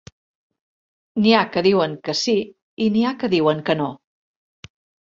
N'hi ha que diuen que sí i n'hi ha que diuen que no.